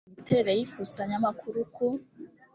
iri teka rigena imiterere y ikusanyamakuru ku